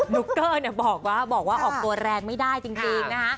ุ๊กเกอร์บอกว่าออกตัวแรงไม่ได้จริงนะคะ